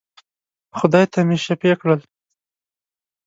خدای ته مي شفېع کړل.